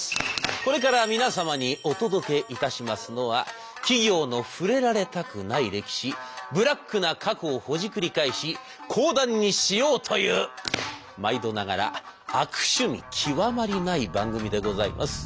これから皆様にお届けいたしますのは企業の触れられたくない歴史ブラックな過去をほじくり返し講談にしようという毎度ながら悪趣味極まりない番組でございます。